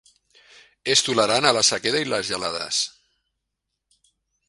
És tolerant a la sequera i les gelades.